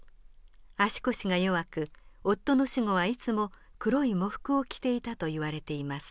足腰が弱く夫の死後はいつも黒い喪服を着ていたといわれています。